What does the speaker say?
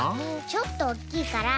ちょっとおっきいから。